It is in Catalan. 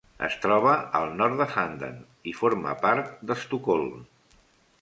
Es troba al nord de Handen i forma part d'Estocolm.